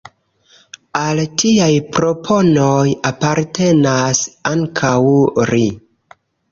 Al tiaj proponoj apartenas ankaŭ "ri".